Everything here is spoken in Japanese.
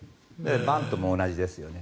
バントも同じですよね。